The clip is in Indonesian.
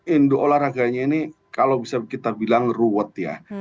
indo olahraganya ini kalau bisa kita bilang ruwet ya